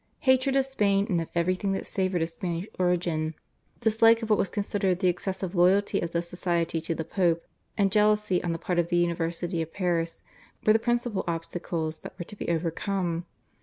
Hatred of Spain and of everything that savoured of Spanish origin, dislike of what was considered the excessive loyalty of the society to the Pope, and jealousy on the part of the University of Paris were the principal obstacles that were to be overcome.